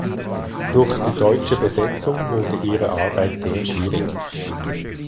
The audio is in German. Durch die deutsche Besetzung wurde ihre Arbeit sehr schwierig.